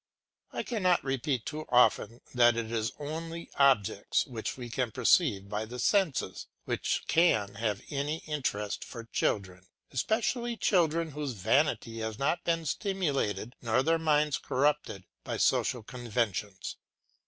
I cannot repeat too often that it is only objects which can be perceived by the senses which can have any interest for children, especially children whose vanity has not been stimulated nor their minds corrupted by social conventions.